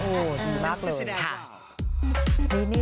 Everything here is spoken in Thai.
โอ้โหดีมากเลย